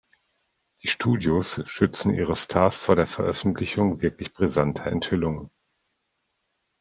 Die Studios schützten ihre Stars vor der Veröffentlichung wirklich brisanter Enthüllungen.